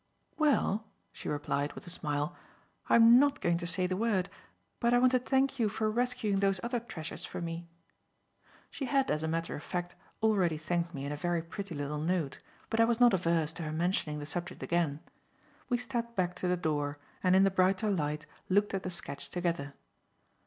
"Well," she replied, with a smile, "I am not going to say the word, but I want to thank you for rescuing those other treasures for me." She had, as a matter of fact, already thanked me in a very pretty little note, but I was not averse to her mentioning the subject again. We stepped back to the door, and in the brighter light, looked at the sketch together.